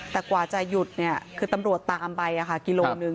แต่กว่าจะหยุดคือตำรวจตามไปกิโลหนึ่ง